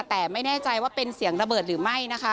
แต่ไม่แน่ใจว่าเป็นเสียงระเบิดหรือไม่นะคะ